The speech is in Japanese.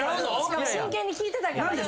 真剣に聞いてたから。